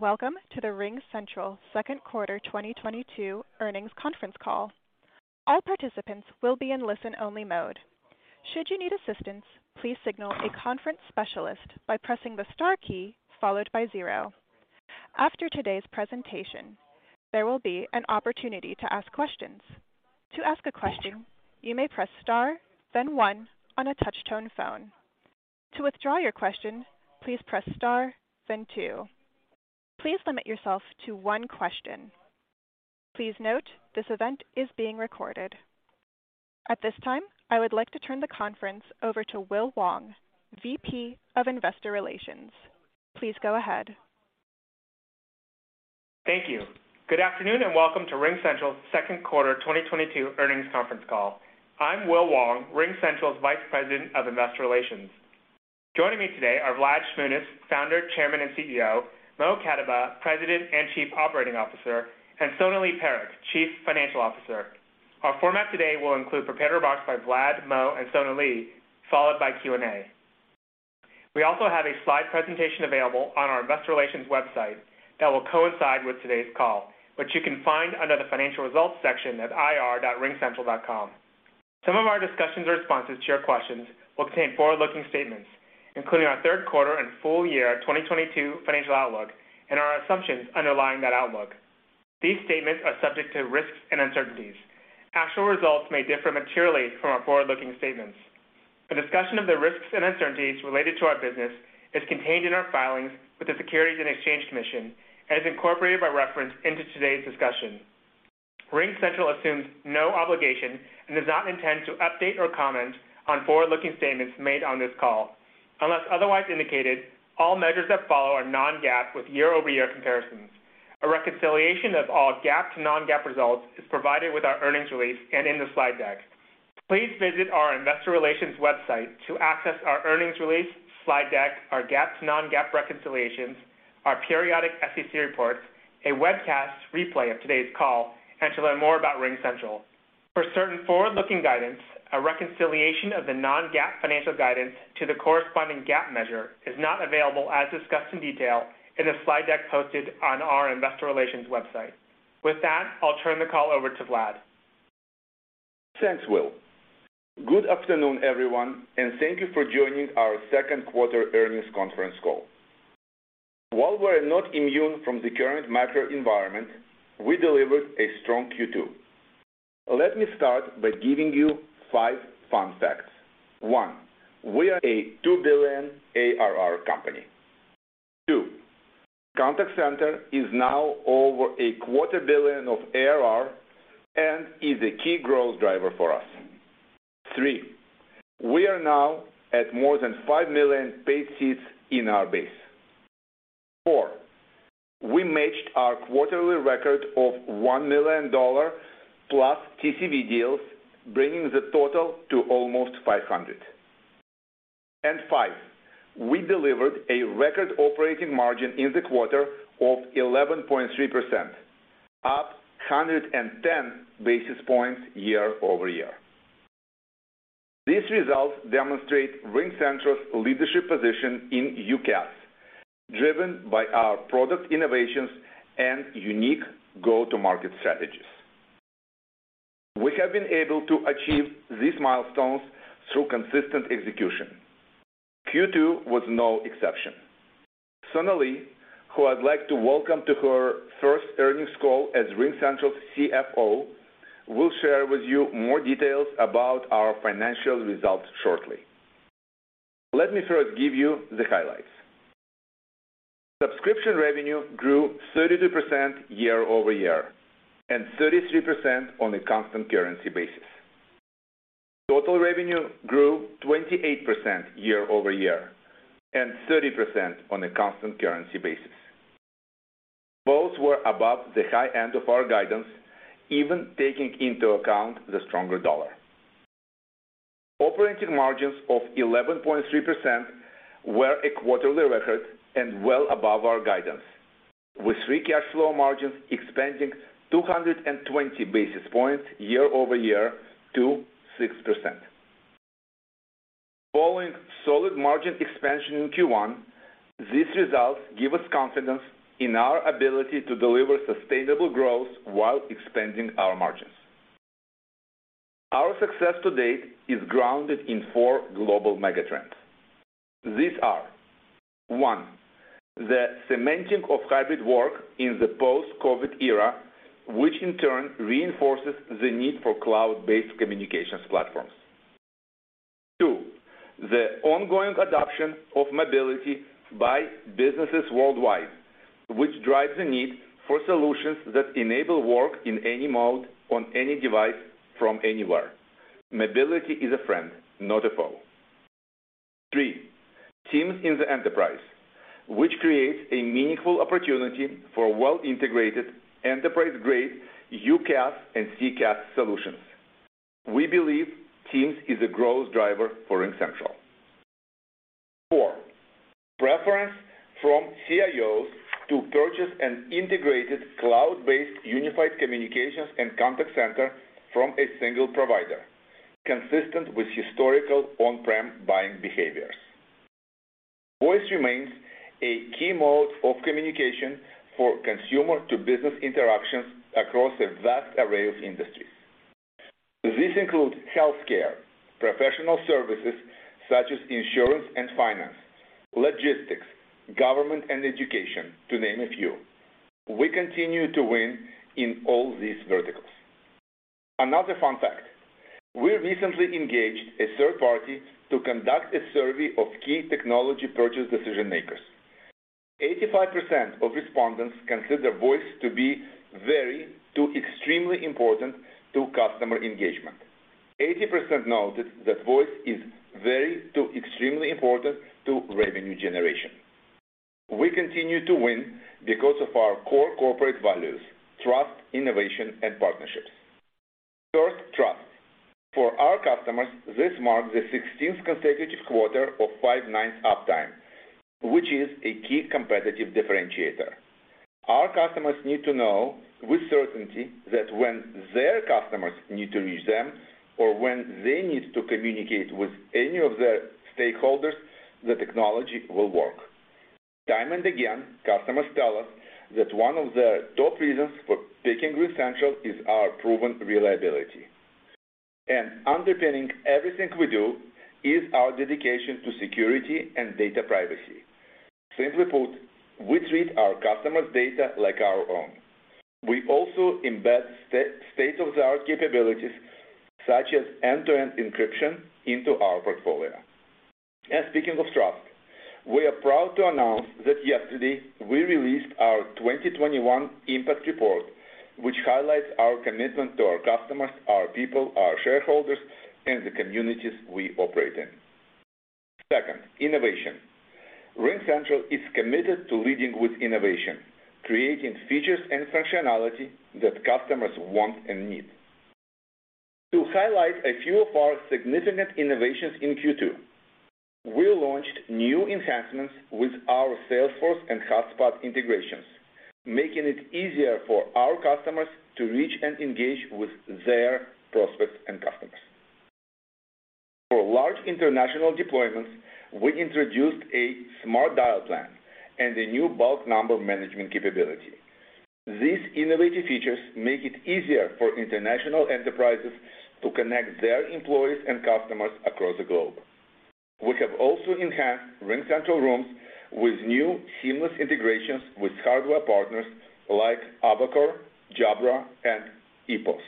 Welcome to the RingCentral Second Quarter 2022 Earnings Conference Call. All participants will be in listen-only mode. Should you need assistance, please signal a conference specialist by pressing the star key followed by zero. After today's presentation, there will be an opportunity to ask questions. To ask a question, you may press star, then one on a touch-tone phone. To withdraw your question, please press star, then two. Please limit yourself to one question. Please note this event is being recorded. At this time, I would like to turn the conference over to Will Wong, VP of Investor Relations. Please go ahead. Thank you. Good afternoon, and welcome to RingCentral's Second Quarter 2022 Earnings Conference Call. I'm Will Wong, RingCentral's Vice President of Investor Relations. Joining me today are Vlad Shmunis, Founder, Chairman, and CEO, Mo Katibeh, President and Chief Operating Officer, and Sonalee Parekh, Chief Financial Officer. Our format today will include prepared remarks by Vlad, Mo, and Sonalee, followed by Q&A. We also have a slide presentation available on our investor relations website that will coincide with today's call, which you can find under the Financial Results section at ir.ringcentral.com. Some of our discussions or responses to your questions will contain forward-looking statements, including our third quarter and full year 2022 financial outlook and our assumptions underlying that outlook. These statements are subject to risks and uncertainties. Actual results may differ materially from our forward-looking statements. A discussion of the risks and uncertainties related to our business is contained in our filings with the Securities and Exchange Commission and is incorporated by reference into today's discussion. RingCentral assumes no obligation and does not intend to update or comment on forward-looking statements made on this call. Unless otherwise indicated, all measures that follow are non-GAAP with year-over-year comparisons. A reconciliation of all GAAP to non-GAAP results is provided with our earnings release and in the slide deck. Please visit our investor relations website to access our earnings release, slide deck, our GAAP to non-GAAP reconciliations, our periodic SEC reports, a webcast replay of today's call, and to learn more about RingCentral. For certain forward-looking guidance, a reconciliation of the non-GAAP financial guidance to the corresponding GAAP measure is not available as discussed in detail in the slide deck posted on our investor relations website. With that, I'll turn the call over to Vlad. Thanks, Will. Good afternoon, everyone, and thank you for joining our second quarter earnings conference call. While we're not immune from the current macro environment, we delivered a strong Q2. Let me start by giving you five fun facts. One, we are a $2 billion ARR company. Two, Contact center is now over a $250 million of ARR and is a key growth driver for us. Three, we are now at more than five million paid seats in our base. Four, we matched our quarterly record of $1 million+ TCV deals, bringing the total to almost 500. Five, we delivered a record operating margin in the quarter of 11.3%, up 110 basis points year-over-year. These results demonstrate RingCentral's leadership position in UCaaS, driven by our product innovations and unique go-to-market strategies. We have been able to achieve these milestones through consistent execution. Q2 was no exception. Sonalee, who I'd like to welcome to her first earnings call as RingCentral's CFO, will share with you more details about our financial results shortly. Let me first give you the highlights. Subscription revenue grew 32% year-over-year and 33% on a constant currency basis. Total revenue grew 28% year-over-year and 30% on a constant currency basis. Both were above the high end of our guidance, even taking into account the stronger dollar. Operating margins of 11.3% were a quarterly record and well above our guidance, with free cash flow margins expanding 220 basis points year-over-year to 6%. Following solid margin expansion in Q1, these results give us confidence in our ability to deliver sustainable growth while expanding our margins. Our success to date is grounded in four global mega trends. These are, one, the cementing of hybrid work in the post-COVID era, which in turn reinforces the need for cloud-based communications platforms. Two, the ongoing adoption of mobility by businesses worldwide, which drives the need for solutions that enable work in any mode on any device from anywhere. Mobility is a friend, not a foe. Three, Teams in the enterprise, which creates a meaningful opportunity for well-integrated enterprise-grade UCaaS and CCaaS solutions. We believe Teams is a growth driver for RingCentral. Four, preference from CIOs to purchase an integrated cloud-based unified communications and contact center from a single provider. Consistent with historical on-prem buying behaviors. Voice remains a key mode of communication for consumer to business interactions across a vast array of industries. This includes healthcare, professional services, such as insurance and finance, logistics, government, and education, to name a few. We continue to win in all these verticals. Another fun fact, we recently engaged a third party to conduct a survey of key technology purchase decision-makers. 85% of respondents consider voice to be very to extremely important to customer engagement. 80% noted that voice is very to extremely important to revenue generation. We continue to win because of our core corporate values, Trust, Innovation, and Partnership. First, Trust. For our customers, this marks the 16th consecutive quarter of 99.999% uptime, which is a key competitive differentiator. Our customers need to know with certainty that when their customers need to reach them or when they need to communicate with any of their stakeholders, the technology will work. Time and again, customers tell us that one of the top reasons for picking RingCentral is our proven reliability. Underpinning everything we do is our dedication to security and data privacy. Simply put, we treat our customers' data like our own. We also embed state-of-the-art capabilities, such as end-to-end encryption into our portfolio. Speaking of trust, we are proud to announce that yesterday we released our 2021 Impact Report, which highlights our commitment to our customers, our people, our shareholders, and the communities we operate in. Second, Innovation. RingCentral is committed to leading with innovation, creating features and functionality that customers want and need. To highlight a few of our significant innovations in Q2, we launched new enhancements with our Salesforce and HubSpot integrations, making it easier for our customers to reach and engage with their prospects and customers. For large international deployments, we introduced a smart dial plan and a new bulk number management capability. These innovative features make it easier for international enterprises to connect their employees and customers across the globe. We have also enhanced RingCentral Rooms with new seamless integrations with hardware partners like Avocor, Jabra and EPOS.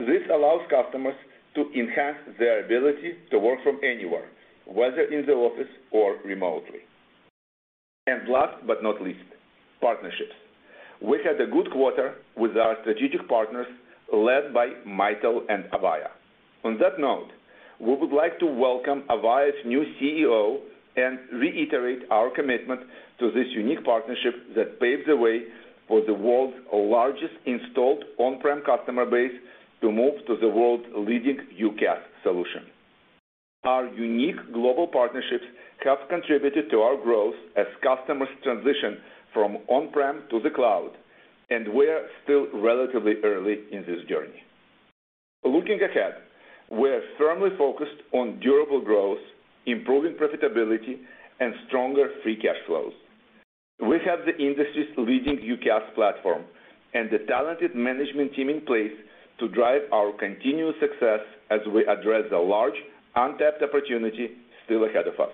This allows customers to enhance their ability to work from anywhere, whether in the office or remotely. Last but not least, Partnerships. We had a good quarter with our strategic partners, led by Mitel and Avaya. On that note, we would like to welcome Avaya's new CEO and reiterate our commitment to this unique partnership that paves the way for the world's largest installed on-prem customer base to move to the world's leading UCaaS solution. Our unique global partnerships have contributed to our growth as customers transition from on-prem to the cloud, and we're still relatively early in this journey. Looking ahead, we're firmly focused on durable growth, improving profitability, and stronger free cash flows. We have the industry's leading UCaaS platform and the talented management team in place to drive our continuous success as we address the large untapped opportunity still ahead of us.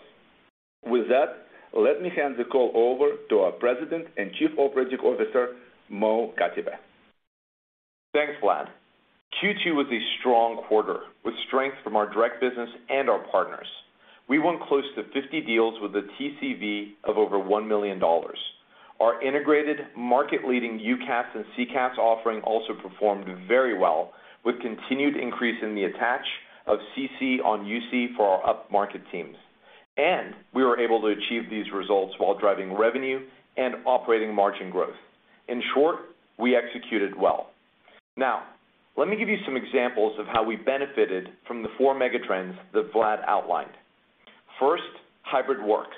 With that, let me hand the call over to our President and Chief Operating Officer, Mo Katibeh. Thanks, Vlad. Q2 was a strong quarter with strength from our direct business and our partners. We won close to 50 deals with a TCV of over $1 million. Our integrated market-leading UCaaS and CCaaS offering also performed very well with continued increase in the attach of CC on UC for our up-market teams. We were able to achieve these results while driving revenue and operating margin growth. In short, we executed well. Now, let me give you some examples of how we benefited from the four mega trends that Vlad outlined. First, hybrid work.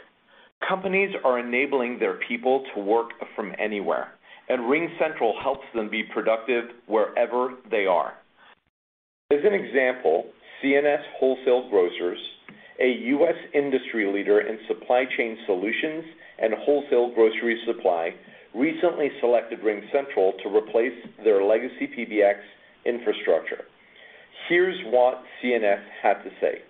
Companies are enabling their people to work from anywhere, and RingCentral helps them be productive wherever they are. As an example, C&S Wholesale Grocers, a U.S. industry leader in supply chain solutions and wholesale grocery supply, recently selected RingCentral to replace their legacy PBX infrastructure. Here's what C&S had to say.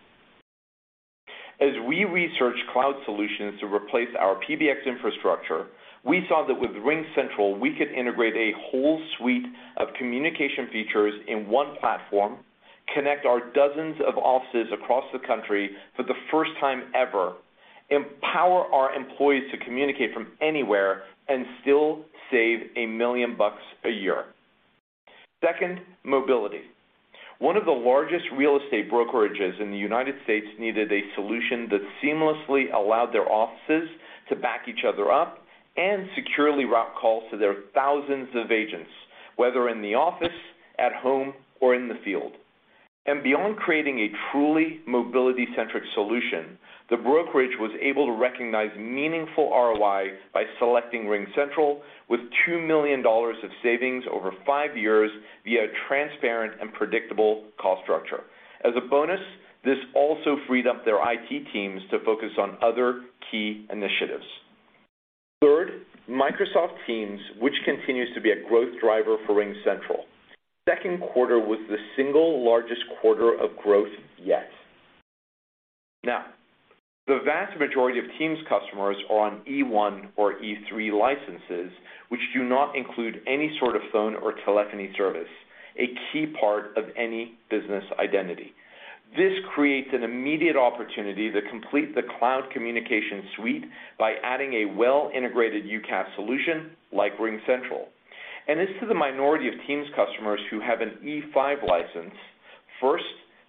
As we researched cloud solutions to replace our PBX infrastructure, we saw that with RingCentral, we could integrate a whole suite of communication features in one platform, connect our dozens of offices across the country for the first time ever, empower our employees to communicate from anywhere, and still save $1 million a year." Second, mobility. One of the largest real estate brokerages in the United States needed a solution that seamlessly allowed their offices to back each other up and securely route calls to their thousands of agents, whether in the office, at home, or in the field. Beyond creating a truly mobility-centric solution, the brokerage was able to recognize meaningful ROI by selecting RingCentral with $2 million of savings over five years via transparent and predictable cost structure. As a bonus, this also freed up their IT teams to focus on other key initiatives. Third, Microsoft Teams, which continues to be a growth driver for RingCentral. Second quarter was the single largest quarter of growth yet. Now, the vast majority of Teams customers are on E1 or E3 licenses, which do not include any sort of phone or telephony service, a key part of any business identity. This creates an immediate opportunity to complete the cloud communication suite by adding a well-integrated UCaaS solution like RingCentral. As to the minority of Teams customers who have an E5 license, first,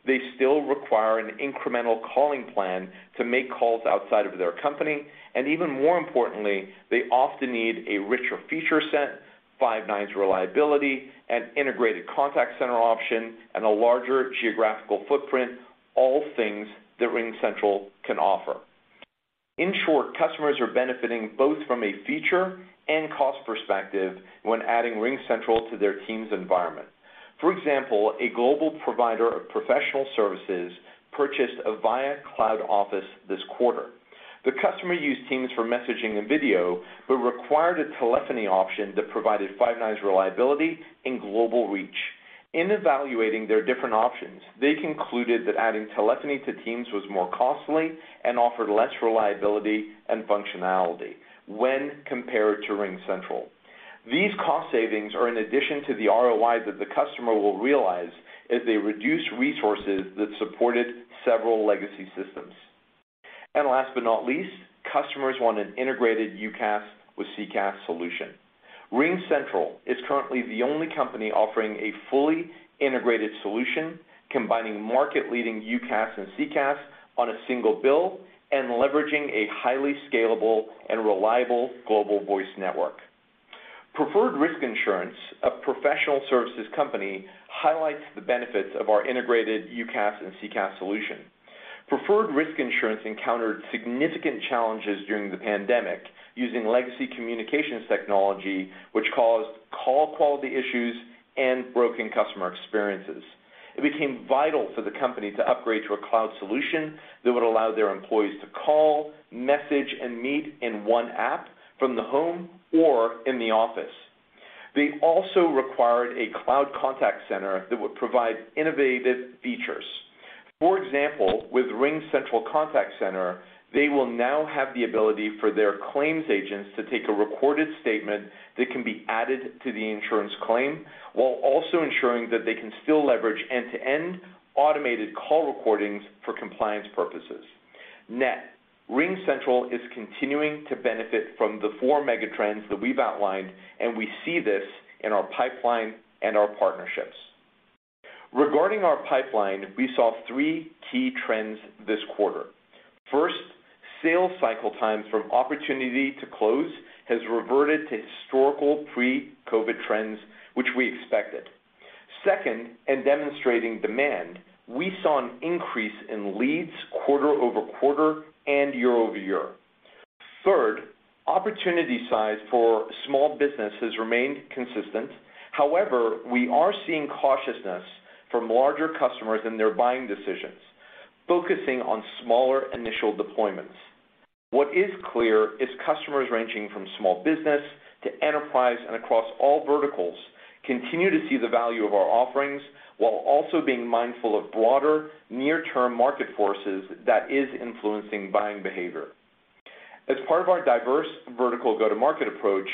they still require an incremental calling plan to make calls outside of their company, and even more importantly, they often need a richer feature set, five nines reliability, an integrated contact center option, and a larger geographical footprint, all things that RingCentral can offer. In short, customers are benefiting both from a feature and cost perspective when adding RingCentral to their Teams environment. For example, a global provider of professional services purchased Avaya Cloud Office this quarter. The customer used Teams for messaging and video, but required a telephony option that provided 99.999% reliability and global reach. In evaluating their different options, they concluded that adding telephony to Teams was more costly and offered less reliability and functionality when compared to RingCentral. These cost savings are in addition to the ROI that the customer will realize as they reduce resources that supported several legacy systems. Last but not least, customers want an integrated UCaaS with CCaaS solution. RingCentral is currently the only company offering a fully integrated solution, combining market-leading UCaaS and CCaaS on a single bill and leveraging a highly scalable and reliable global voice network. Preferred Risk Insurance, a professional services company, highlights the benefits of our integrated UCaaS and CCaaS solution. Preferred Risk Insurance encountered significant challenges during the pandemic using legacy communications technology, which caused call quality issues and broken customer experiences. It became vital for the company to upgrade to a cloud solution that would allow their employees to call, message, and meet in one app from the home or in the office. They also required a cloud contact center that would provide innovative features. For example, with RingCentral Contact Center, they will now have the ability for their claims agents to take a recorded statement that can be added to the insurance claim while also ensuring that they can still leverage end-to-end automated call recordings for compliance purposes. Net, RingCentral is continuing to benefit from the four mega trends that we've outlined, and we see this in our pipeline and our partnerships. Regarding our pipeline, we saw three key trends this quarter. First, sales cycle times from opportunity to close has reverted to historical pre-COVID trends, which we expected. Second, demonstrating demand, we saw an increase in leads quarter-over-quarter and year-over-year. Third, opportunity size for small business has remained consistent. However, we are seeing cautiousness from larger customers in their buying decisions, focusing on smaller initial deployments. What is clear is customers ranging from small business to enterprise and across all verticals continue to see the value of our offerings while also being mindful of broader near-term market forces that is influencing buying behavior. As part of our diverse vertical go-to-market approach,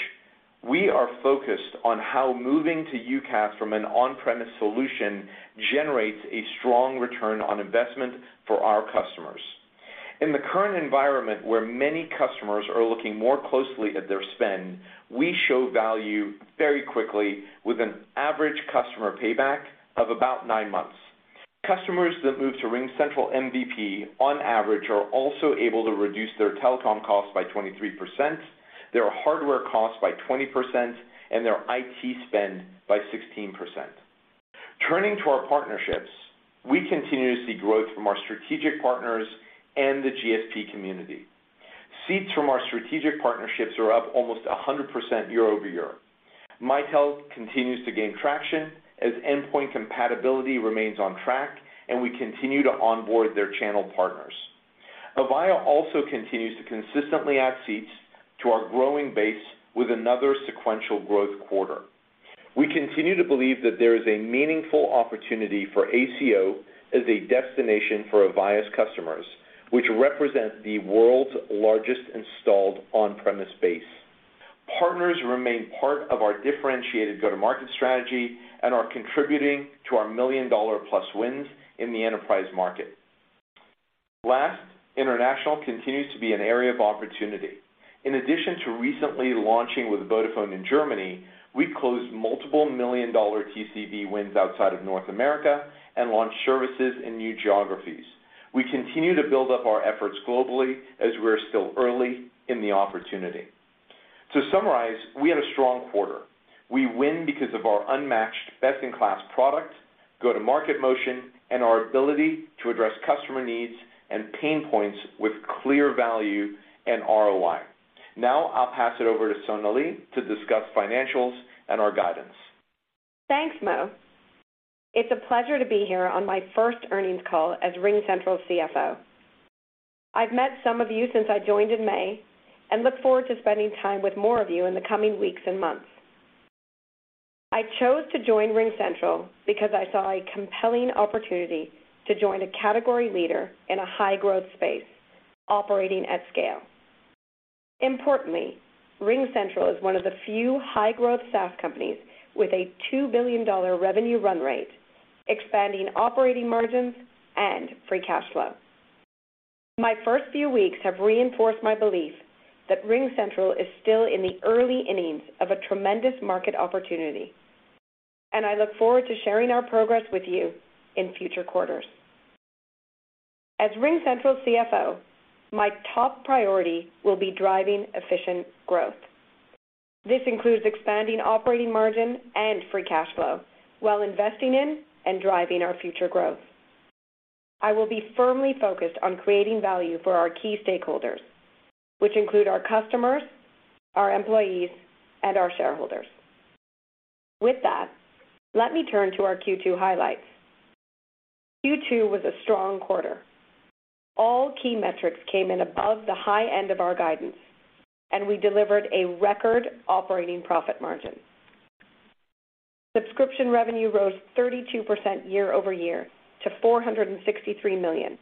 we are focused on how moving to UCaaS from an on-premise solution generates a strong return on investment for our customers. In the current environment, where many customers are looking more closely at their spend, we show value very quickly with an average customer payback of about nine months. Customers that move to RingCentral MVP on average are also able to reduce their telecom costs by 23%, their hardware costs by 20%, and their IT spend by 16%. Turning to our partnerships, we continue to see growth from our strategic partners and the GSP community. Seats from our strategic partnerships are up almost 100% year-over-year. Mitel continues to gain traction as endpoint compatibility remains on track, and we continue to onboard their channel partners. Avaya also continues to consistently add seats to our growing base with another sequential growth quarter. We continue to believe that there is a meaningful opportunity for ACO as a destination for Avaya's customers, which represent the world's largest installed on-premise base. Partners remain part of our differentiated go-to-market strategy and are contributing to our $1 million+ wins in the enterprise market. Last, international continues to be an area of opportunity. In addition to recently launching with Vodafone in Germany, we closed multiple million-dollar TCV wins outside of North America and launched services in new geographies. We continue to build up our efforts globally as we are still early in the opportunity. To summarize, we had a strong quarter. We win because of our unmatched best-in-class product, go-to-market motion, and our ability to address customer needs and pain points with clear value and ROI. Now, I'll pass it over to Sonalee to discuss financials and our guidance. Thanks, Mo. It's a pleasure to be here on my first earnings call as RingCentral CFO. I've met some of you since I joined in May and look forward to spending time with more of you in the coming weeks and months. I chose to join RingCentral because I saw a compelling opportunity to join a category leader in a high-growth space operating at scale. Importantly, RingCentral is one of the few high-growth SaaS companies with a $2 billion revenue run rate, expanding operating margins and free cash flow. My first few weeks have reinforced my belief that RingCentral is still in the early innings of a tremendous market opportunity, and I look forward to sharing our progress with you in future quarters. As RingCentral's CFO, my top priority will be driving efficient growth. This includes expanding operating margin and free cash flow while investing in and driving our future growth. I will be firmly focused on creating value for our key stakeholders, which include our customers, our employees, and our shareholders. With that, let me turn to our Q2 highlights. Q2 was a strong quarter. All key metrics came in above the high end of our guidance, and we delivered a record operating profit margin. Subscription revenue rose 32% year-over-year to $463 million,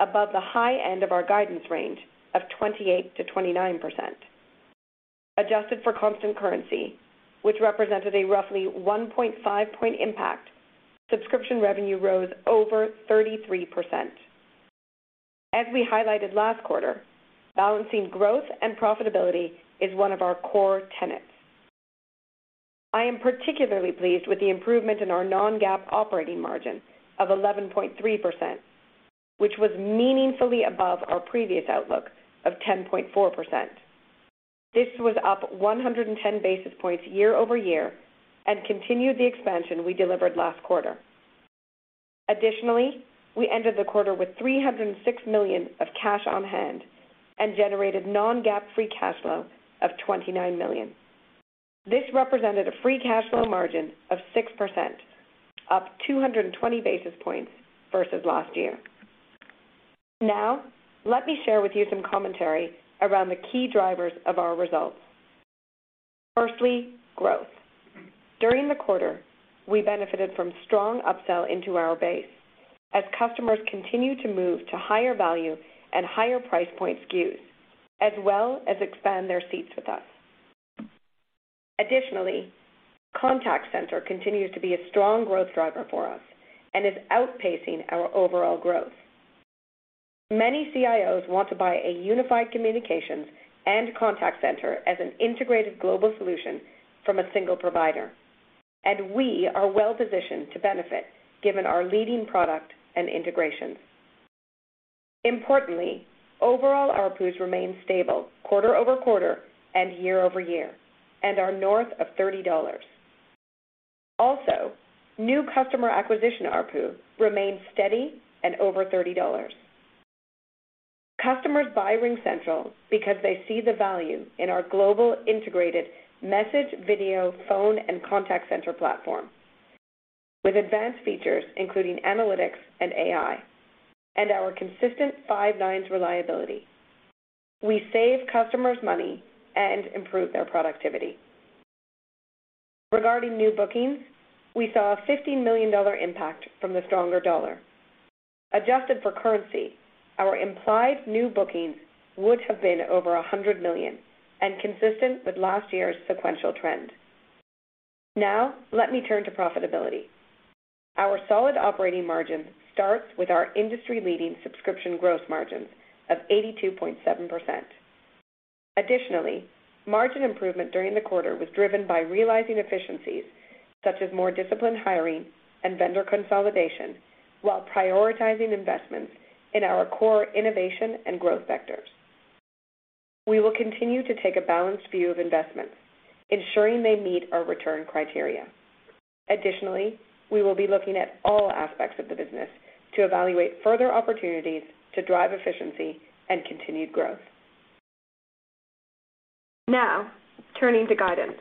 above the high end of our guidance range of 28%-29%. Adjusted for constant currency, which represented a roughly 1.5-point impact, subscription revenue rose over 33%. As we highlighted last quarter, balancing growth and profitability is one of our core tenets. I am particularly pleased with the improvement in our non-GAAP operating margin of 11.3%, which was meaningfully above our previous outlook of 10.4%.This was up 110 basis points year-over-year and continued the expansion we delivered last quarter. Additionally, we ended the quarter with $306 million of cash on hand and generated non-GAAP free cash flow of $29 million. This represented a free cash flow margin of 6%, up 220 basis points versus last year. Now, let me share with you some commentary around the key drivers of our results. Firstly, growth. During the quarter, we benefited from strong upsell into our base as customers continued to move to higher value and higher price point SKUs, as well as expand their seats with us. Additionally, contact center continues to be a strong growth driver for us and is outpacing our overall growth. Many CIOs want to buy a unified communications and contact center as an integrated global solution from a single provider, and we are well-positioned to benefit given our leading product and integrations. Importantly, overall ARPU has remained stable quarter-over-quarter and year-over-year and are north of $30. Also, new customer acquisition ARPU remains steady at over $30. Customers buy RingCentral because they see the value in our global integrated message, video, phone, and contact center platform with advanced features, including analytics and AI, and our consistent five nines reliability. We save customers money and improve their productivity. Regarding new bookings, we saw a $15 million impact from the stronger dollar. Adjusted for currency, our implied new bookings would have been over $100 million and consistent with last year's sequential trend. Now let me turn to profitability. Our solid operating margin starts with our industry-leading subscription gross margins of 82.7%. Additionally, margin improvement during the quarter was driven by realizing efficiencies, such as more disciplined hiring and vendor consolidation while prioritizing investments in our core innovation and growth vectors. We will continue to take a balanced view of investments, ensuring they meet our return criteria. Additionally, we will be looking at all aspects of the business to evaluate further opportunities to drive efficiency and continued growth. Now, turning to guidance.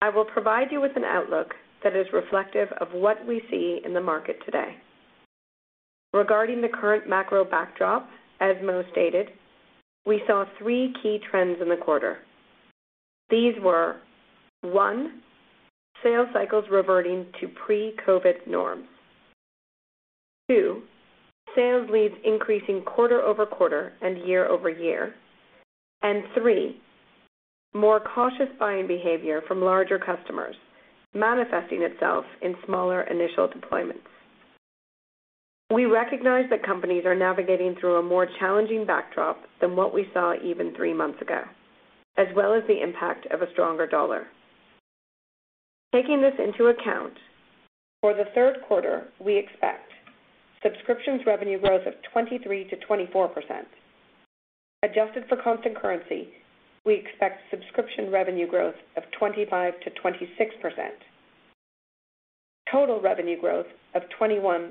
I will provide you with an outlook that is reflective of what we see in the market today. Regarding the current macro backdrop, as Mo stated, we saw three key trends in the quarter. These were, one, sales cycles reverting to pre-COVID norms. Two, sales leads increasing quarter-over-quarter and year-over-year. Three, more cautious buying behavior from larger customers manifesting itself in smaller initial deployments. We recognize that companies are navigating through a more challenging backdrop than what we saw even three months ago, as well as the impact of a stronger dollar. Taking this into account, for the third quarter, we expect subscriptions revenue growth of 23%-24%. Adjusted for constant currency, we expect subscription revenue growth of 25%-26%. Total revenue growth of 21%-22%.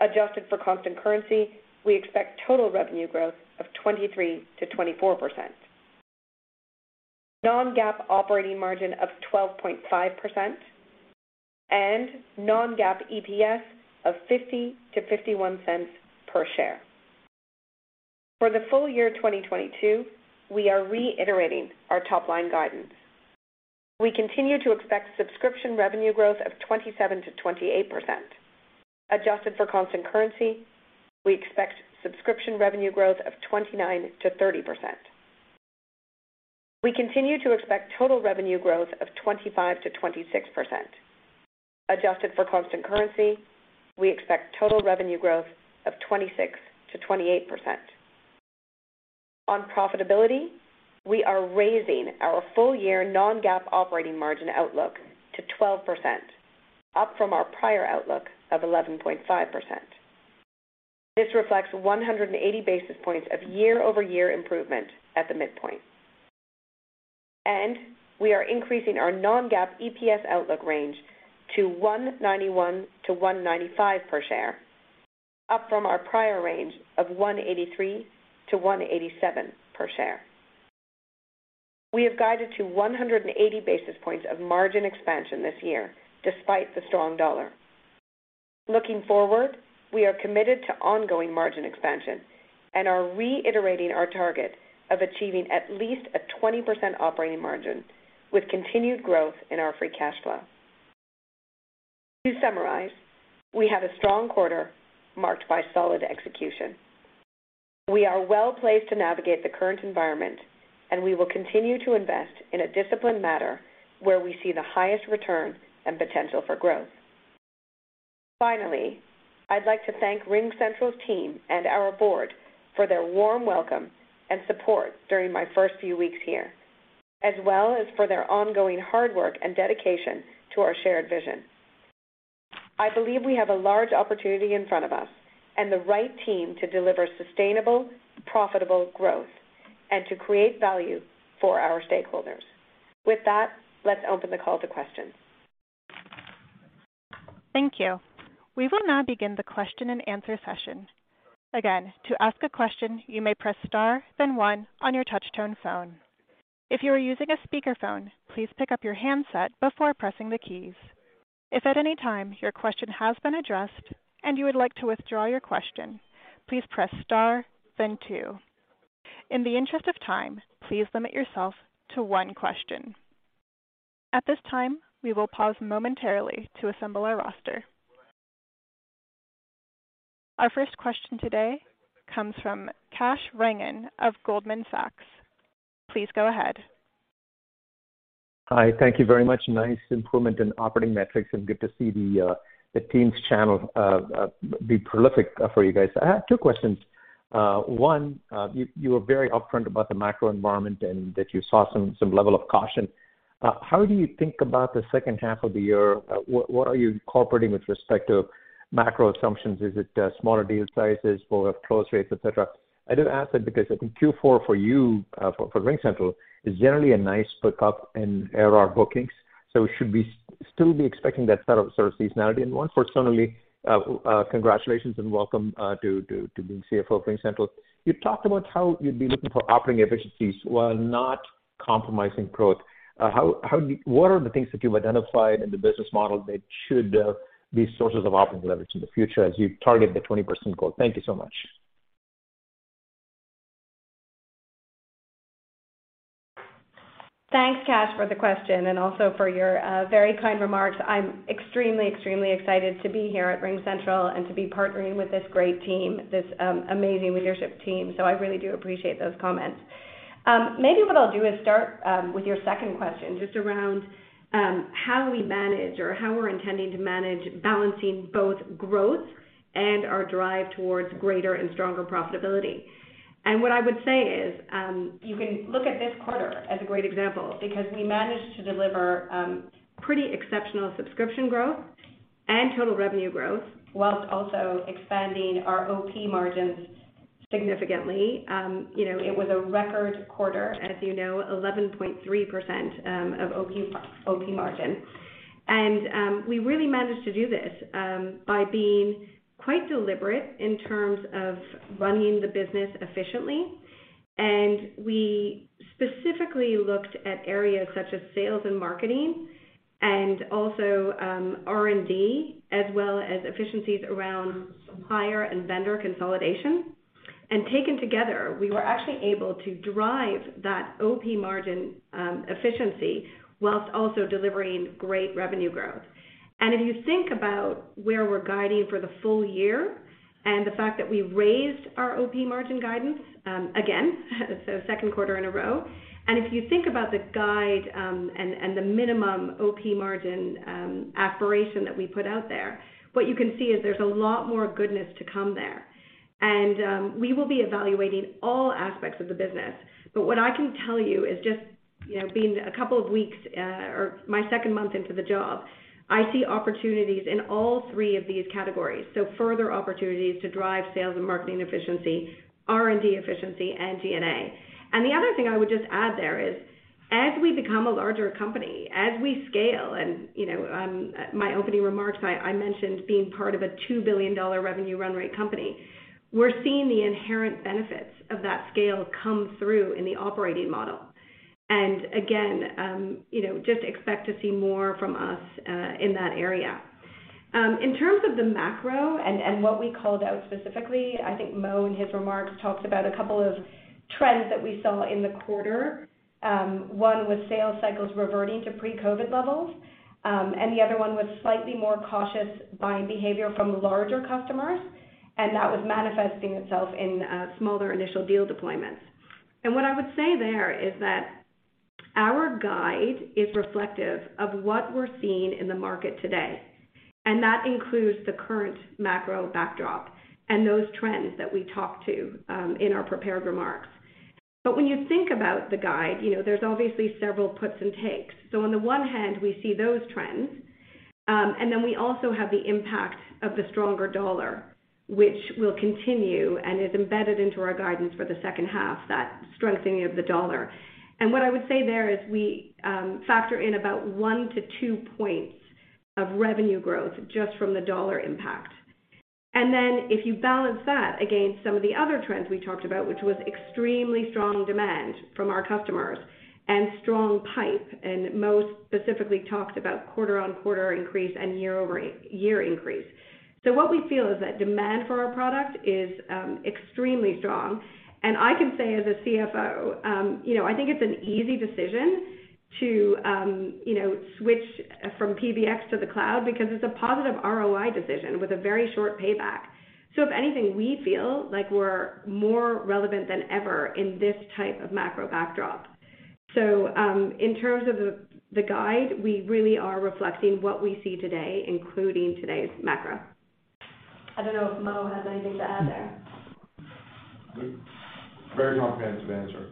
Adjusted for constant currency, we expect total revenue growth of 23%-24%. Non-GAAP operating margin of 12.5% and non-GAAP EPS of $0.50-$0.51 per share. For the full year 2022, we are reiterating our top-line guidance. We continue to expect subscription revenue growth of 27%-28%. Adjusted for constant currency, we expect subscription revenue growth of 29%-30%. We continue to expect total revenue growth of 25%-26%. Adjusted for constant currency, we expect total revenue growth of 26%-28%. On profitability, we are raising our full-year non-GAAP operating margin outlook to 12%, up from our prior outlook of 11.5%. This reflects 180 basis points of year-over-year improvement at the midpoint. We are increasing our non-GAAP EPS outlook range to $1.91-$1.95 per share, up from our prior range of $1.83-$1.87 per share. We have guided to 180 basis points of margin expansion this year, despite the strong dollar. Looking forward, we are committed to ongoing margin expansion and are reiterating our target of achieving at least a 20% operating margin with continued growth in our free cash flow. To summarize, we had a strong quarter marked by solid execution. We are well-placed to navigate the current environment, and we will continue to invest in a disciplined manner where we see the highest return and potential for growth. Finally, I'd like to thank RingCentral's team and our board for their warm welcome and support during my first few weeks here, as well as for their ongoing hard work and dedication to our shared vision. I believe we have a large opportunity in front of us and the right team to deliver sustainable, profitable growth and to create value for our stakeholders. With that, let's open the call to questions. Thank you. We will now begin the question-and-answer session. Again, to ask a question, you may press star, then one on your touch-tone phone. If you are using a speakerphone, please pick up your handset before pressing the keys. If at any time your question has been addressed and you would like to withdraw your question, please press star, then two. In the interest of time, please limit yourself to one question. At this time, we will pause momentarily to assemble our roster. Our first question today comes from Kash Rangan of Goldman Sachs. Please go ahead. Hi. Thank you very much. Nice improvement in operating metrics and good to see the team's channel be prolific for you guys. I have two questions. One, you were very upfront about the macro environment and that you saw some level of caution. How do you think about the second half of the year? What are you incorporating with respect to macro assumptions? Is it smaller deal sizes or close rates, et cetera? I did ask that because I think Q4 for you for RingCentral is generally a nice pick-up in ARR bookings. So should we still be expecting that sort of seasonality? One, personally, congratulations and welcome to being CFO of RingCentral. You talked about how you'd be looking for operating efficiencies while not compromising growth. What are the things that you've identified in the business model that should be sources of operating leverage in the future as you target the 20% goal? Thank you so much. Thanks, Kash, for the question, and also for your very kind remarks. I'm extremely excited to be here at RingCentral and to be partnering with this great team, this amazing leadership team. So I really do appreciate those comments. Maybe what I'll do is start with your second question just around how we manage or how we're intending to manage balancing both growth and our drive towards greater and stronger profitability. What I would say is you can look at this quarter as a great example because we managed to deliver pretty exceptional subscription growth and total revenue growth whilst also expanding our OP margins significantly. You know, it was a record quarter, as you know, 11.3% of OP margin. We really managed to do this by being quite deliberate in terms of running the business efficiently. We specifically looked at areas such as Sales and Marketing and also R&D as well as efficiencies around supplier and vendor consolidation. Taken together, we were actually able to drive that OP margin efficiency while also delivering great revenue growth. If you think about where we're guiding for the full year and the fact that we raised our OP margin guidance, again, so second quarter in a row. If you think about the guide, and the minimum OP margin aspiration that we put out there, what you can see is there's a lot more goodness to come there. We will be evaluating all aspects of the business. But what I can tell you is just, you know, being a couple of weeks or my second month into the job, I see opportunities in all three of these categories. Further opportunities to drive sales and marketing efficiency, R&D efficiency, and G&A.The other thing I would just add there is as we become a larger company, as we scale, and, you know, my opening remarks, I mentioned being part of a $2 billion revenue run rate company, we're seeing the inherent benefits of that scale come through in the operating model. Again, you know, just expect to see more from us in that area. In terms of the macro and what we called out specifically, I think Mo, in his remarks, talked about a couple of trends that we saw in the quarter. One was sales cycles reverting to pre-COVID levels, and the other one was slightly more cautious buying behavior from larger customers, and that was manifesting itself in smaller initial deal deployments. What I would say there is that our guide is reflective of what we're seeing in the market today, and that includes the current macro backdrop and those trends that we talked about in our prepared remarks. When you think about the guide, you know, there's obviously several puts and takes. On the one hand, we see those trends, and then we also have the impact of the stronger dollar, which will continue and is embedded into our guidance for the second half, that strengthening of the dollar. What I would say there is we factor in about one to two percentage points growth just from the dollar impact. If you balance that against some of the other trends we talked about, which was extremely strong demand from our customers and strong pipe, and Mo specifically talked about quarter-on-quarter increase and year-over-year increase. What we feel is that demand for our product is extremely strong. I can say as a CFO, you know, I think it's an easy decision to, you know, switch from PBX to the cloud because it's a positive ROI decision with a very short payback. If anything, we feel like we're more relevant than ever in this type of macro backdrop. In terms of the guide, we really are reflecting what we see today, including today's macro. I don't know if Mo has anything to add there. Very comprehensive answer.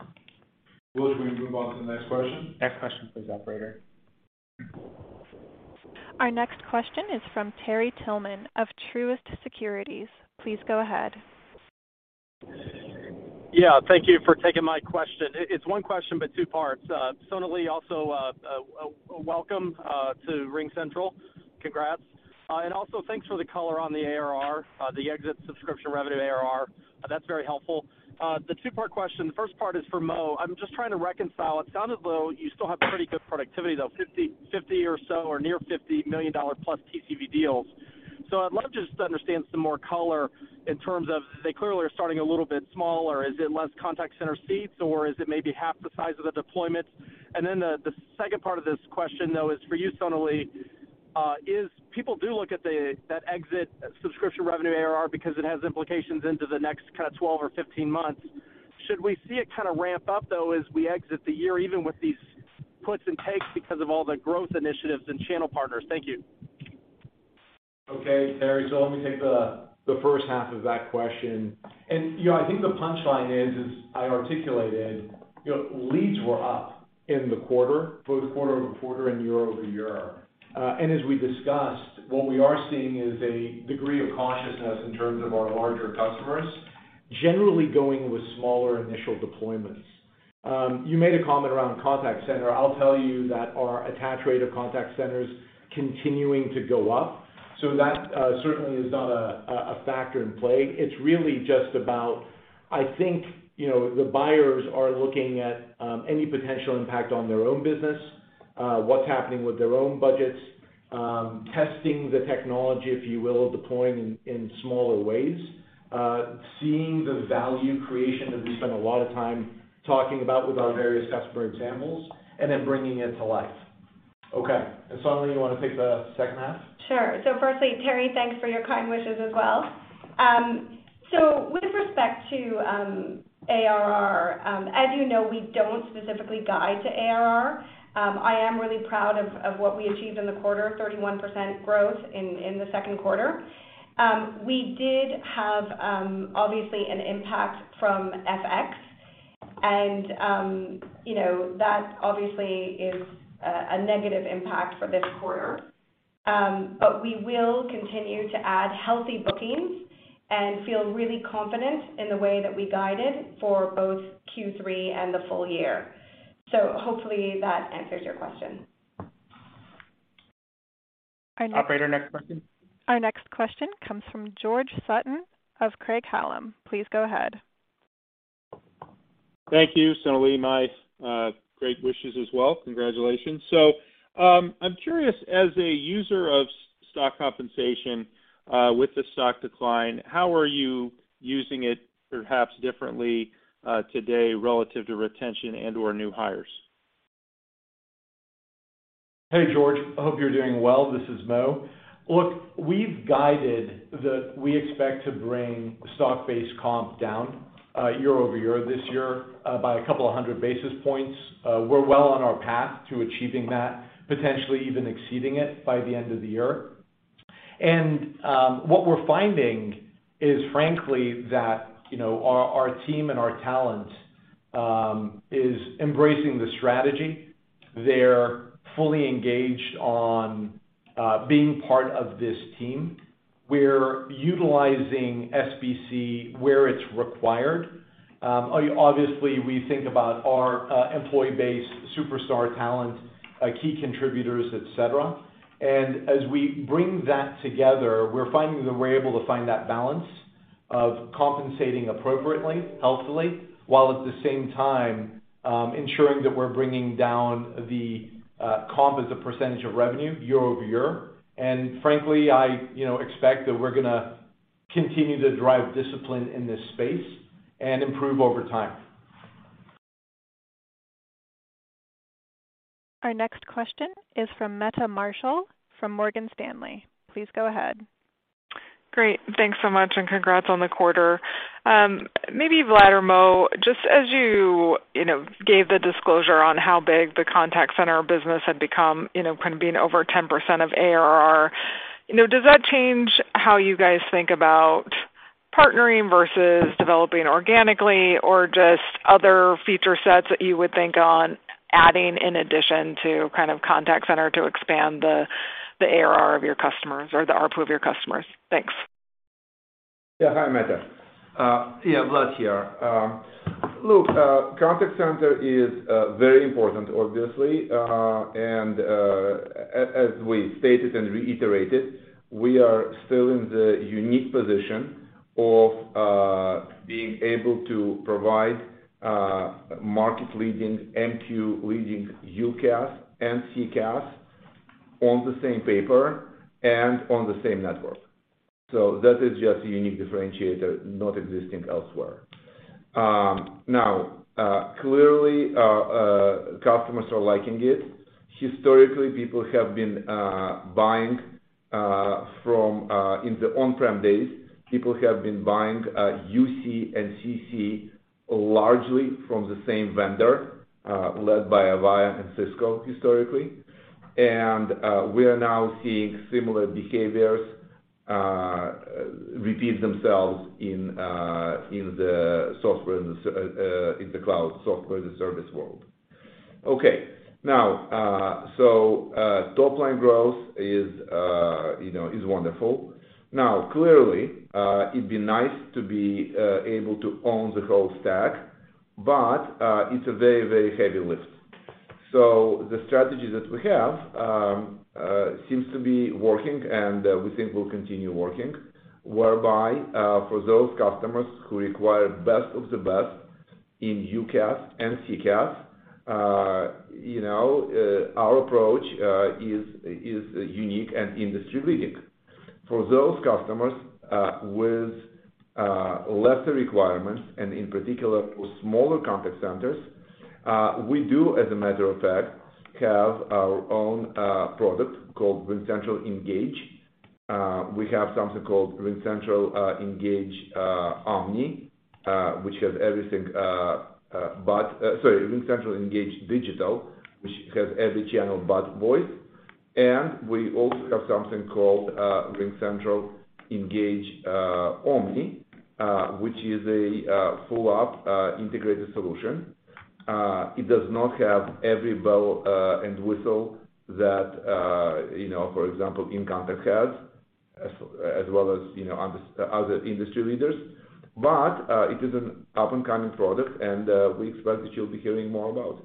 Will, do you want to move on to the next question? Next question please, operator. Our next question is from Terry Tillman of Truist Securities. Please go ahead. Yeah. Thank you for taking my question. It's one question, but two parts. Sonalee, also, welcome to RingCentral. Congrats. And also thanks for the color on the ARR, the exit subscription revenue ARR. That's very helpful. The two-part question, the first part is for Mo. I'm just trying to reconcile. It sounded though you still have pretty good productivity, though, 50 or so or near $50 million-plus TCV deals. So I'd love just to understand some more color in terms of they clearly are starting a little bit smaller. Is it less contact center seats, or is it maybe half the size of the deployments? The second part of this question, though, is for you, Sonalee, is people do look at the exit subscription revenue ARR because it has implications into the next kind of 12 or 15 months. Should we see it kind of ramp up, though, as we exit the year, even with these puts and takes because of all the growth initiatives and channel partners? Thank you. Okay, Terry. Let me take the first half of that question. You know, I think the punchline is, as I articulated, you know, leads were up in the quarter, both quarter-over-quarter and year-over-year. As we discussed, what we are seeing is a degree of cautiousness in terms of our larger customers generally going with smaller initial deployments. You made a comment around contact center. I'll tell you that our attach rate of contact centers continuing to go up. That certainly is not a factor in play. It's really just about, I think, you know, the buyers are looking at any potential impact on their own business, what's happening with their own budgets, testing the technology, if you will, deploying in smaller ways, seeing the value creation that we spend a lot of time talking about with our various customer examples and then bringing it to life. Okay. Sonalee, you wanna take the second half? Sure. Firstly, Terry, thanks for your kind wishes as well. With respect to ARR, as you know, we don't specifically guide to ARR. I am really proud of what we achieved in the quarter, 31% growth in the second quarter. We did have obviously an impact from FX, and you know, that obviously is a negative impact for this quarter. We will continue to add healthy bookings and feel really confident in the way that we guided for both Q3 and the full year. Hopefully that answers your question. Operator, next question. Our next question comes from George Sutton of Craig-Hallum. Please go ahead. Thank you. Sonalee, my great wishes as well. Congratulations. I'm curious, as a user of stock compensation, with the stock decline, how are you using it perhaps differently, today relative to retention and/or new hires? Hey, George. I hope you're doing well. This is Mo. Look, we've guided that we expect to bring stock-based comp down year-over-year this year by a couple of hundred basis points. We're well on our path to achieving that, potentially even exceeding it by the end of the year. What we're finding is frankly that you know our team and our talent is embracing the strategy. They're fully engaged on being part of this team. We're utilizing SBC where it's required. Obviously, we think about our employee base, superstar talent, key contributors, et cetera. As we bring that together, we're finding that we're able to find that balance of compensating appropriately, healthily, while at the same time ensuring that we're bringing down the comp as a percentage of revenue year-over-year. Frankly, I, you know, expect that we're gonna continue to drive discipline in this space and improve over time. Our next question is from Meta Marshall from Morgan Stanley. Please go ahead. Great. Thanks so much, and congrats on the quarter. Maybe Vlad or Mo, just as you, you know, gave the disclosure on how big the contact center business had become, you know, kind of being over 10% of ARR, you know, does that change how you guys think about partnering versus developing organically or just other feature sets that you would think on adding in addition to kind of contact center to expand the ARR of your customers or the ARPU of your customers? Thanks. Yeah. Hi, Meta. Yeah, Vlad here. Look, contact center is very important obviously. As we stated and reiterated, we are still in the unique position of being able to provide market-leading, MQ-leading UCaaS and CCaaS on the same paper and on the same network. That is just a unique differentiator not existing elsewhere. Now, clearly, our customers are liking it. Historically, people have been buying UC and CC largely from the same vendor, led by Avaya and Cisco historically. We are now seeing similar behaviors repeat themselves in the cloud software and the SaaS world. Okay. Top-line growth is, you know, is wonderful. Now, clearly, it'd be nice to be able to own the whole stack, but it's a very, very heavy lift. The strategy that we have seems to be working, and we think will continue working, whereby for those customers who require best of the best in UCaaS and CCaaS, you know, our approach is unique and industry-leading. For those customers with lesser requirements, and in particular for smaller contact centers, we do, as a matter of fact, have our own product called RingCentral Engage. We have something called RingCentral Engage Omni. Sorry, RingCentral Engage Digital, which has every channel but voice. We also have something called RingCentral Engage Omni, which is a full omni integrated solution. It does not have every bell and whistle that, you know, for example, inContact has, as well as, you know, other industry leaders. It is an up-and-coming product, and we expect that you'll be hearing more about it.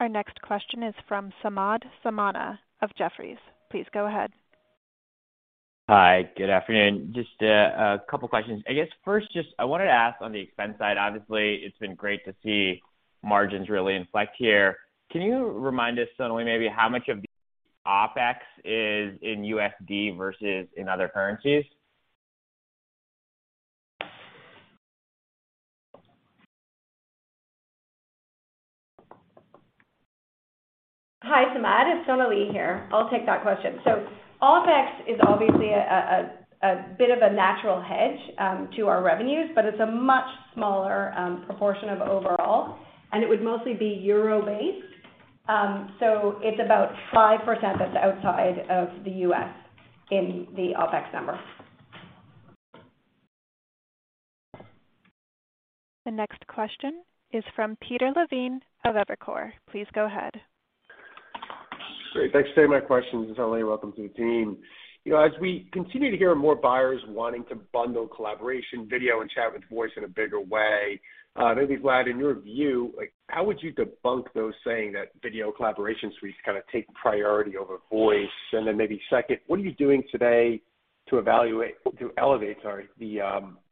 Our next question is from Samad Samana of Jefferies. Please go ahead. Hi. Good afternoon. Just, a couple questions. I guess first, just I wanted to ask on the expense side, obviously, it's been great to see margins really inflect here. Can you remind us, Sonalee, maybe how much of the OpEx is in USD versus in other currencies? Hi, Samad. It's Sonalee here. I'll take that question. OpEx is obviously a bit of a natural hedge to our revenues, but it's a much smaller proportion of overall, and it would mostly be euro-based. It's about 5% that's outside of the U.S. in the OpEx number. The next question is from Peter Levine of Evercore. Please go ahead. Great. Thanks. Today my question is for Vlad. Welcome to the team. You know, as we continue to hear more buyers wanting to bundle collaboration video and chat with voice in a bigger way, maybe, Vlad, in your view, like how would you debunk those saying that video collaboration suites kind of take priority over voice? Maybe second, what are you doing today to elevate, sorry, the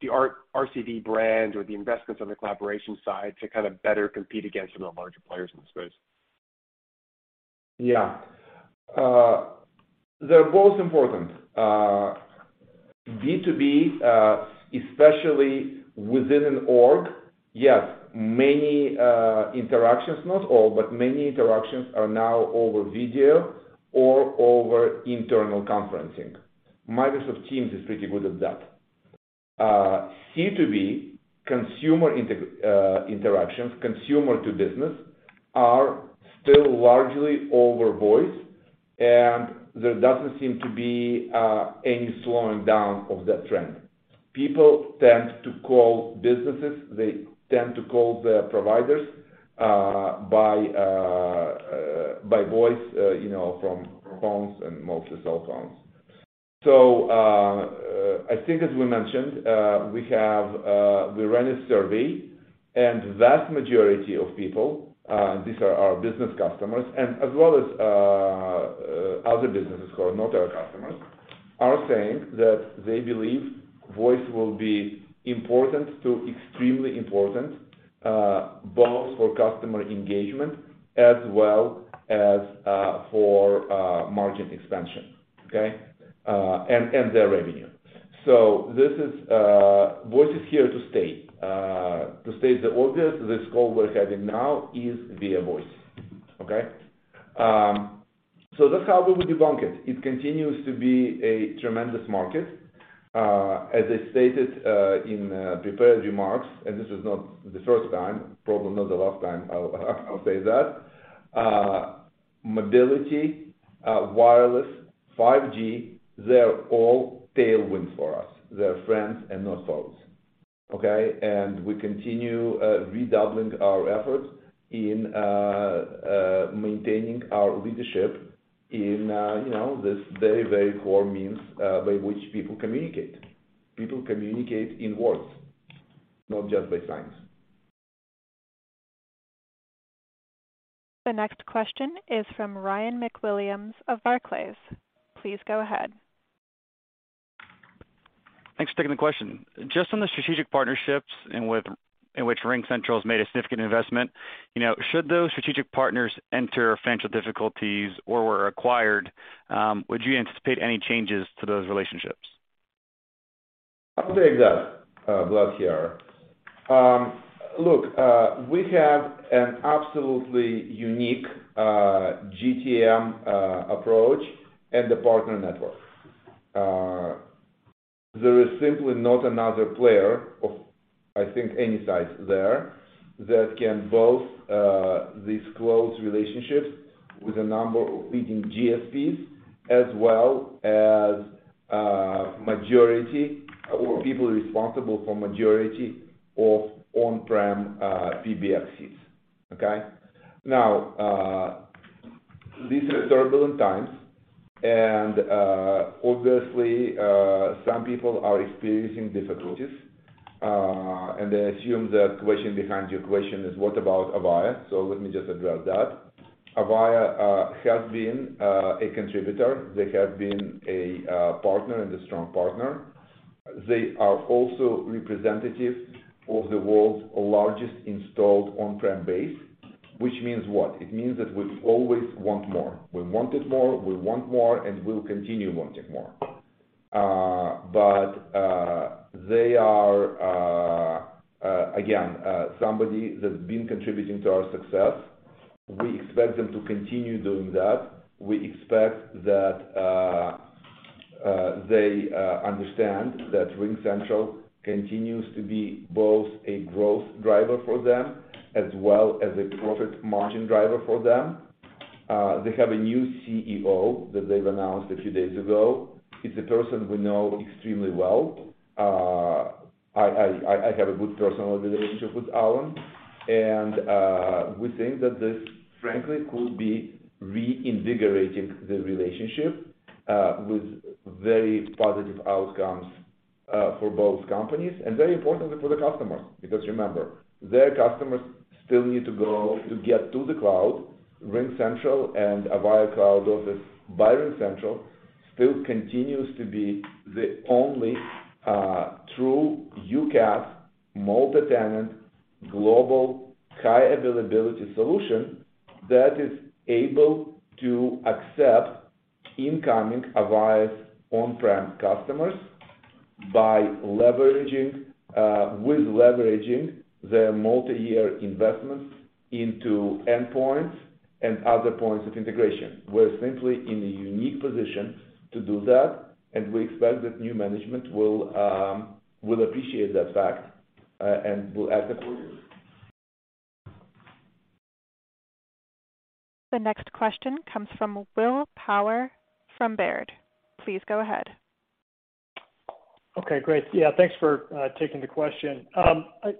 RC brand or the investments on the collaboration side to kind of better compete against some of the larger players in the space? Yeah. They're both important. B2B, especially within an org, yes, many interactions, not all, but many interactions are now over video or over internal conferencing. Microsoft Teams is pretty good at that. C2B, consumer interactions, consumer-to-business, are still largely over voice, and there doesn't seem to be any slowing down of that trend. People tend to call businesses, they tend to call their providers by voice, you know, from phones and mostly cell phones. I think as we mentioned, we ran a survey, and vast majority of people, these are our business customers, and as well as other businesses who are not our customers, are saying, that they believe voice will be important to extremely important, both for customer engagement as well as for margin expansion, okay, and their revenue. Voice is here to stay. To state the obvious this call we're having now is via voice, okay? That's how we would debunk it. It continues to be a tremendous market. As I stated in prepared remarks, and this is not the first time, probably not the last time I'll say that, mobility, wireless, 5G, they're all tailwinds for us. They're friends and not foes, okay? We continue redoubling our efforts in maintaining our leadership in you know this very core means by which people communicate. People communicate in words, not just by signs. The next question is from Ryan McWilliams of Barclays. Please go ahead. Thanks for taking the question. Just on the strategic partnerships in which RingCentral's made a significant investment, you know, should those strategic partners enter financial difficulties or were acquired, would you anticipate any changes to those relationships? I'll take that, Vlad here. Look, we have an absolutely unique GTM approach and the partner network. There is simply not another player of, I think, any size there that can both, these close relationships with a number of leading GSPs, as well as majority of people responsible for majority of on-prem PBXs. Okay? Now, these are turbulent times and obviously some people are experiencing difficulties, and I assume the question behind your question is what about Avaya. Let me just address that. Avaya has been a contributor. They have been a partner and a strong partner. They are also representative of the world's largest installed on-prem base. Which means what? It means that we always want more. We wanted more, we want more, and we'll continue wanting more. They are again somebody that's been contributing to our success. We expect them to continue doing that. We expect that they understand that RingCentral continues to be both a growth driver for them as well as a profit margin driver for them. They have a new CEO that they've announced a few days ago. He's a person we know extremely well. I have a good personal relationship with Alan. We think that this frankly could be reinvigorating the relationship with very positive outcomes for both companies, and very importantly, for the customers. Because remember, their customers still need to go to the cloud. RingCentral and Avaya Cloud Office by RingCentral still continues to be the only true UCaaS, multi-tenant, global, high availability solution that is able to accept incoming Avaya on-prem customers by leveraging, with leveraging their multi-year investments into endpoints and other points of integration. We're simply in a unique position to do that, and we expect that new management will appreciate that fact and will add the. The next question comes from Will Power from Baird. Please go ahead. Okay, great. Yeah, thanks for taking the question.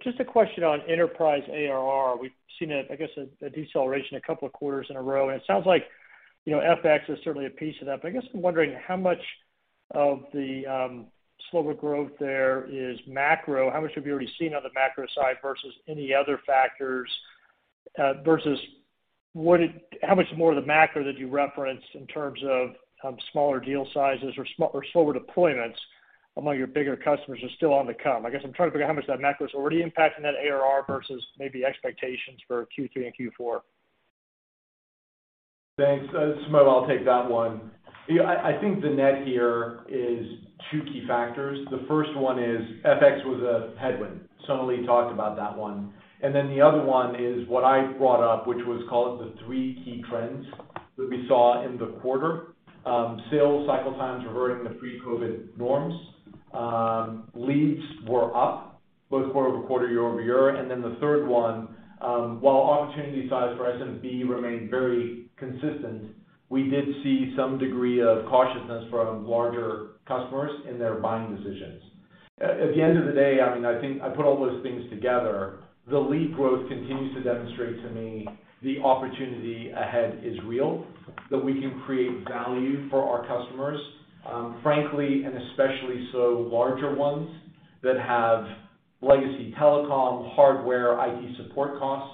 Just a question on enterprise ARR. We've seen, I guess, a deceleration a couple of quarters in a row, and it sounds like, you know, FX is certainly a piece of that. But I guess I'm wondering how much of the slower growth there is macro. How much have you already seen on the macro side versus any other factors, versus how much more of the macro that you referenced in terms of smaller deal sizes or slower deployments? Among your bigger customers are still on the come. I guess I'm trying to figure how much that macro is already impacting that ARR versus maybe expectations for Q3 and Q4. Thanks. Will, I'll take that one. You know, I think the net here is two key factors. The first one is FX was a headwind. Sonalee talked about that one. Then the other one is what I brought up, which was called the three key trends that we saw in the quarter. Sales cycle times reverting to pre-COVID norms. Leads were up both quarter-over-quarter, year-over-year. The third one, while opportunity size for SMB remained very consistent, we did see some degree of cautiousness from larger customers in their buying decisions. At the end of the day, I mean, I think I put all those things together, the lead growth continues to demonstrate to me the opportunity ahead is real, that we can create value for our customers, frankly, and especially so larger ones that have legacy telecom, hardware, IT support costs,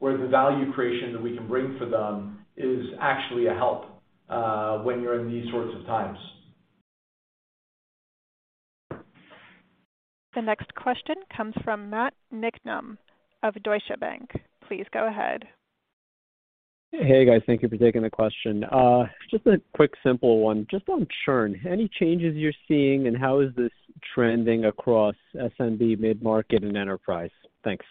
where the value creation that we can bring for them is actually a help, when you're in these sorts of times. The next question comes from Matt Niknam of Deutsche Bank. Please go ahead. Hey, guys. Thank you for taking the question. Just a quick simple one. Just on churn, any changes you're seeing, and how is this trending across SMB, mid-market, and enterprise? Thanks.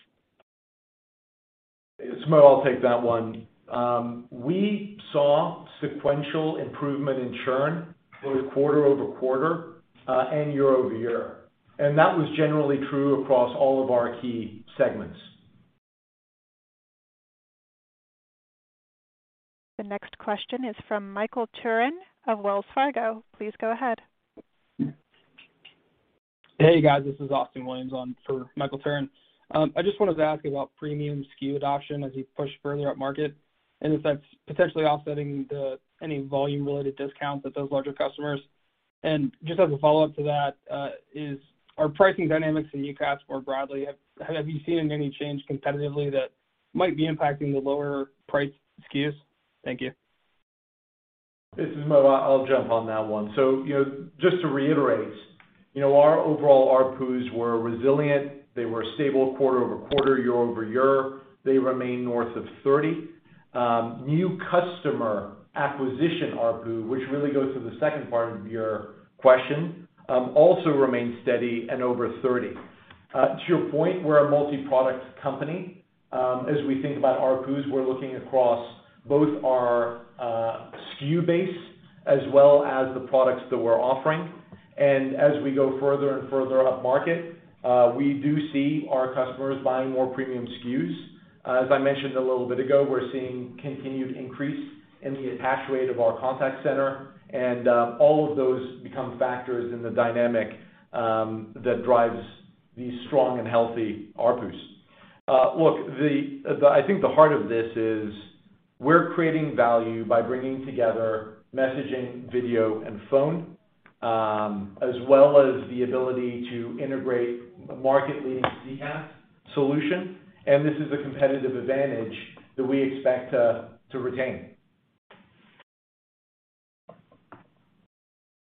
Mo, I'll take that one. We saw sequential improvement in churn both quarter-over-quarter and year-over-year, and that was generally true across all of our key segments. The next question is from Michael Turrin of Wells Fargo. Please go ahead. Hey, guys, this is Austin Williams on for Michael Turrin. I just wanted to ask about premium SKU adoption as you push further up market, and if that's potentially offsetting any volume-related discounts with those larger customers. Just as a follow-up to that, are pricing dynamics in UCaaS more broadly, have you seen any change competitively that might be impacting the lower-priced SKUs? Thank you. This is Mo. I'll jump on that one. You know, just to reiterate, you know, our overall ARPUs were resilient. They were stable quarter-over-quarter, year-over-year. They remain north of 30. New customer acquisition ARPU, which really goes to the second part of your question, also remains steady and over 30. To your point, we're a multi-product company. As we think about ARPUs, we're looking across both our SKU base as well as the products that we're offering. As we go further and further upmarket, we do see our customers buying more premium SKUs. As I mentioned a little bit ago, we're seeing continued increase in the attach rate of our contact center, and all of those become factors in the dynamic that drives these strong and healthy ARPUs. I think the heart of this is we're creating value by bringing together messaging, video, and phone, as well as the ability to integrate market-leading CCaaS solution, and this is a competitive advantage that we expect to retain.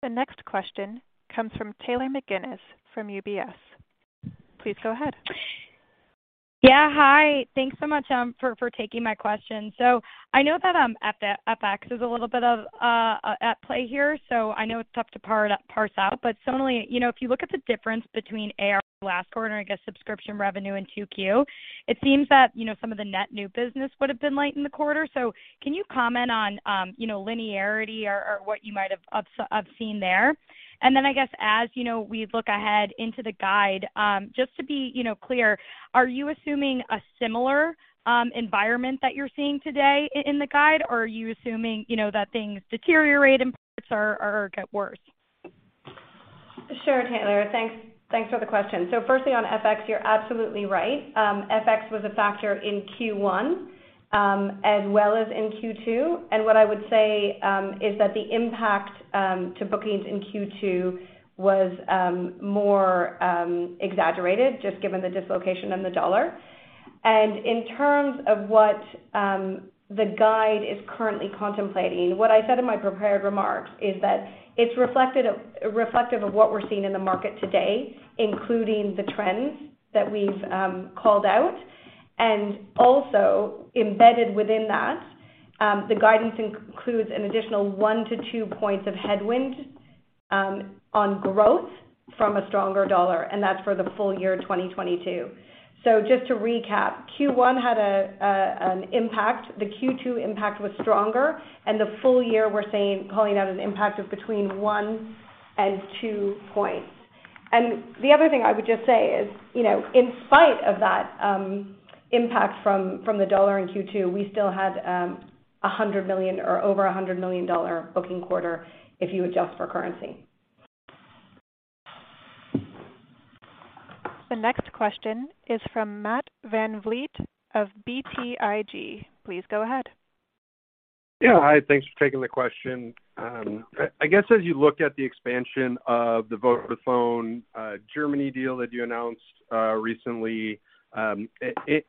The next question comes from Taylor McGinnis from UBS. Please go ahead. Yeah, hi. Thanks so much for taking my question. I know that FX is a little bit at play here, so I know it's tough to parse out. Sonalee, you know, if you look at the difference between AR last quarter and, I guess, subscription revenue in 2Q, it seems that, you know, some of the net new business would have been light in the quarter. Can you comment on, you know, linearity or what you might have observed there? I guess as, you know, we look ahead into the guide, just to be, you know, clear, are you assuming a similar environment that you're seeing today in the guide, or are you assuming, you know, that things deteriorate in parts or get worse? Sure, Taylor. Thanks for the question. Firstly, on FX, you're absolutely right. FX was a factor in Q1, as well as in Q2. What I would say is that the impact to bookings in Q2 was more exaggerated just given the dislocation in the dollar. In terms of what the guide is currently contemplating, what I said in my prepared remarks is that it's reflective of what we're seeing in the market today, including the trends that we've called out. Also embedded within that, the guidance includes an additional one to twopoints of headwind on growth from a stronger dollar, and that's for the full year 2022. Just to recap, Q1 had an impact. The Q2 impact was stronger. The full year we're calling out an impact of between one and two points. The other thing I would just say is, you know, in spite of that impact from the U.S. dollar in Q2, we still had $100 million or over $100 million booking quarter if you adjust for currency. The next question is from Matthew VanVliet of BTIG. Please go ahead. Yeah. Hi, thanks for taking the question. I guess, as you look at the expansion of the Vodafone Germany deal that you announced recently,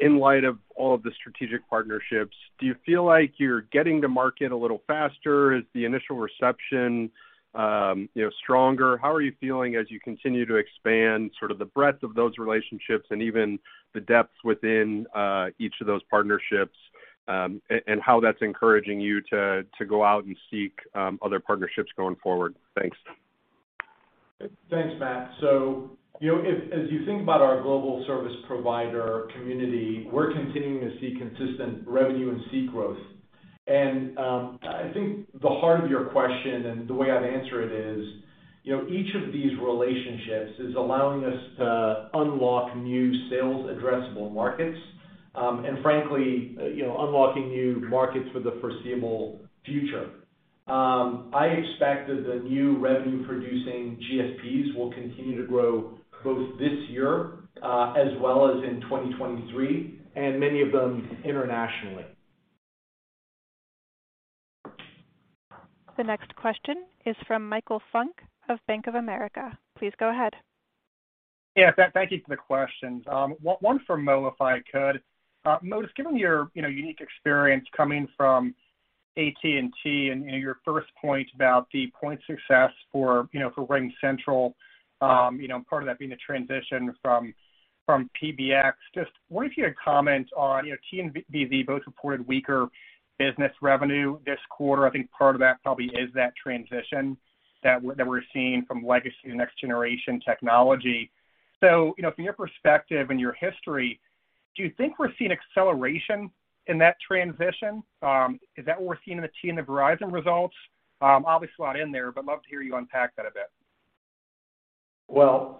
in light of all of the strategic partnerships, do you feel like you're getting to market a little faster? Is the initial reception, you know, stronger? How are you feeling as you continue to expand sort of the breadth of those relationships and even the depth within each of those partnerships, and how that's encouraging you to go out and seek other partnerships going forward? Thanks. Thanks, Matt. You know, as you think about our global service provider community, we're continuing to see consistent revenue and see growth. I think the heart of your question and the way I'd answer it is, you know, each of these relationships is allowing us to unlock new sales addressable markets. Frankly, you know, unlocking new markets for the foreseeable future. I expect that the new revenue-producing GSPs will continue to grow both this year, as well as in 2023, and many of them internationally. The next question is from Michael Funk of Bank of America. Please go ahead. Yeah, thank you for the questions. One for Mo, if I could. Mo, just given your, you know, unique experience coming from AT&T and, you know, your first point about the joint success for, you know, for RingCentral, you know, part of that being a transition from PBX, just wonder if you had comment on, you know, AT&T and Verizon both reported weaker business revenue this quarter. I think part of that probably is that transition that we're seeing from legacy to next generation technology. You know, from your perspective and your history, do you think we're seeing acceleration in that transition? Is that what we're seeing in the AT&T and the Verizon results? Obviously not in there, but love to hear you unpack that a bit. Well,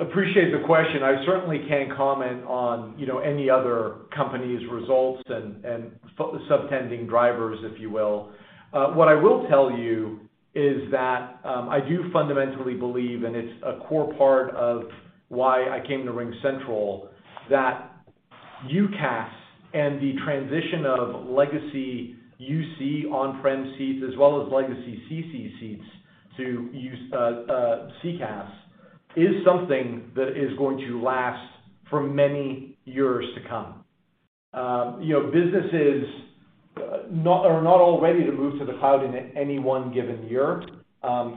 appreciate the question. I certainly can't comment on, you know, any other company's results and underlying drivers, if you will. What I will tell you is that I do fundamentally believe, and it's a core part of why I came to RingCentral, that UCaaS and the transition of legacy UC on-prem seats as well as legacy CC seats to use CCaaS is something that is going to last for many years to come. You know, businesses are not all ready to move to the cloud in any one given year.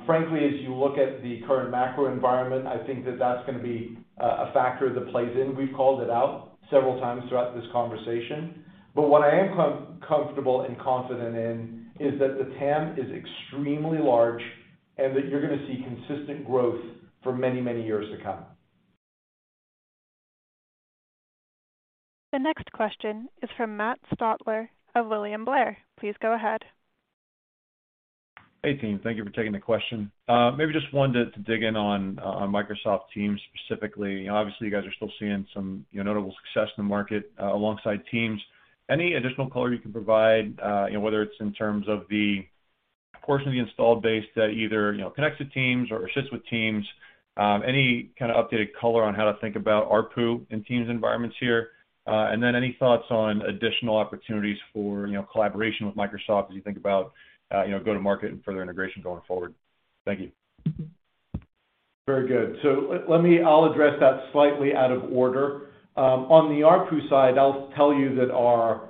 Frankly, as you look at the current macro environment, I think that that's gonna be a factor that plays in. We've called it out several times throughout this conversation. What I am comfortable and confident in is that the TAM is extremely large and that you're gonna see consistent growth for many, many years to come. The next question is from Matt Stotler of William Blair. Please go ahead. Hey, team. Thank you for taking the question. Maybe just wanted to dig in on Microsoft Teams specifically. Obviously, you guys are still seeing some, you know, notable success in the market alongside Teams. Any additional color you can provide, you know, whether it's in terms of the portion of the installed base that either, you know, connects to Teams or sits with Teams? Any kind of updated color on how to think about ARPU in Teams environments here? Then any thoughts on additional opportunities for, you know, collaboration with Microsoft as you think about, you know, go-to-market and further integration going forward? Thank you. Very good. Let me address that slightly out of order. On the ARPU side, I'll tell you that our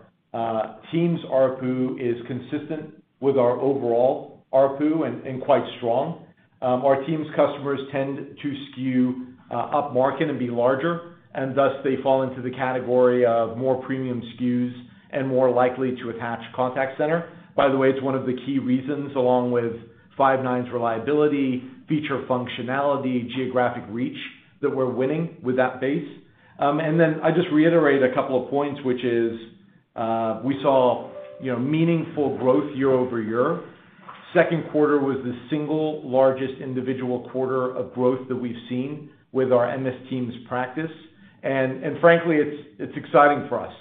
Teams ARPU is consistent with our overall ARPU and quite strong. Our Teams customers tend to skew upmarket and be larger, and thus they fall into the category of more premium SKUs and more likely to attach contact center. By the way, it's one of the key reasons, along with 99.999% Reliability, feature functionality, geographic reach that we're winning with that base. I just reiterate a couple of points, which is we saw you know meaningful growth year-over-year. Second quarter was the single largest individual quarter of growth that we've seen with our MS Teams practice. Frankly, it's exciting for us.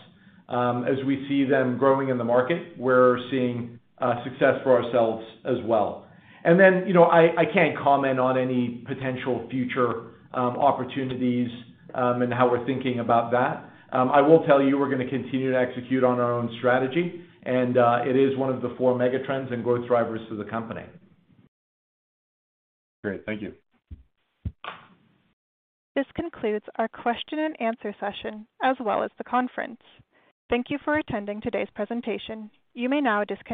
As we see them growing in the market, we're seeing success for ourselves as well. You know, I can't comment on any potential future opportunities, and how we're thinking about that. I will tell you we're gonna continue to execute on our own strategy, and it is one of the four mega trends and growth drivers to the company. Great. Thank you. This concludes our question and answer session, as well as the conference. Thank you for attending today's presentation. You may now disconnect.